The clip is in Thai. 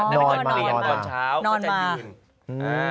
นอนมานอนมา